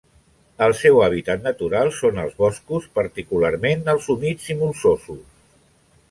El seu hàbitat natural són els boscos, particularment els humits i molsosos.